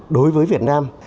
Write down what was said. đối với việt nam